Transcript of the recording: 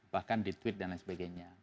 bahkan di tweet dan lain sebagainya